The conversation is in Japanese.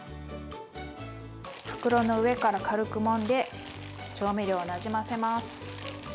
袋の上から軽くもんで調味料をなじませます。